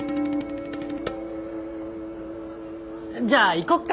じゃあ行こっか！